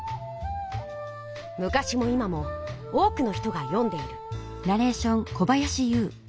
むかしも今も多くの人が詠んでいる。